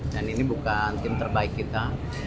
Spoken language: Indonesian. dan ini bukan tim terbaik kita